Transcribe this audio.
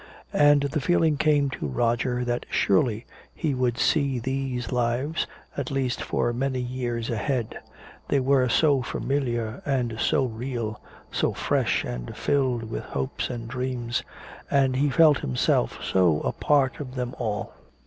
And the feeling came to Roger that surely he would see these lives, at least for many years ahead. They were so familiar and so real, so fresh and filled with hopes and dreams. And he felt himself so a part of them all.